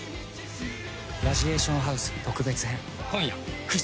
「ラジエーションハウス」特別編、今夜９時。